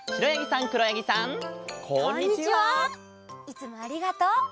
いつもありがとう。